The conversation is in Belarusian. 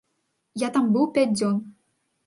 Я там быў пяць дзён.